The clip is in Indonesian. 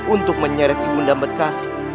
untuk menyeret ibu ndam bekasi